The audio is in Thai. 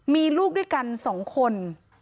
มีลูกด้วยกัน๒คน